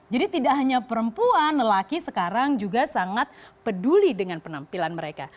jadi tidak hanya perempuan lelaki sekarang juga sangat peduli dengan penampilan mereka